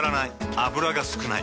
油が少ない。